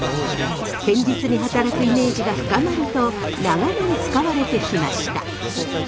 堅実に働くイメージが深まると長年使われてきました。